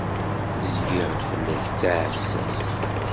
Zgiɣ-d fell-ak d taɛessast.